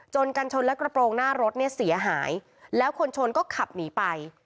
กันชนและกระโปรงหน้ารถเนี่ยเสียหายแล้วคนชนก็ขับหนีไป